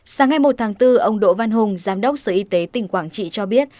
sáng ngày một tháng bốn ông đỗ văn hùng giám đốc sở y tế tỉnh quảng trị cho biết